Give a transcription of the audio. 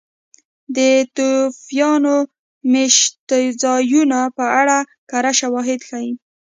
د ناتوفیان مېشتځایونو په اړه کره شواهد ښيي.